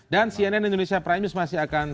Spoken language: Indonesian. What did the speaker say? dan cnn indonesia prime news masih akan